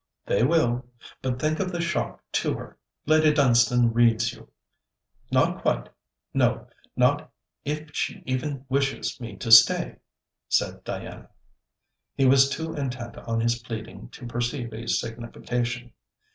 'They will. But think of the shock to her. Lady Dunstane reads you ' 'Not quite. No, not if she even wishes me to stay!' said Diana. He was too intent on his pleading to perceive a signification.